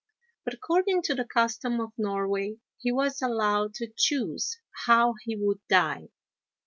But according to the custom of Norway, he was allowed to choose how he would die.